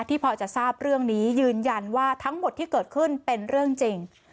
พอจะทราบเรื่องนี้ยืนยันว่าทั้งหมดที่เกิดขึ้นเป็นเรื่องจริง